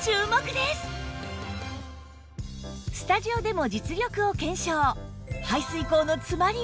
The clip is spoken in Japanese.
スタジオでも実力を検証